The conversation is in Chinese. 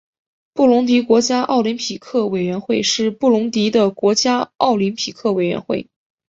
布隆迪国家奥林匹克委员会是布隆迪的国家奥林匹克委员会。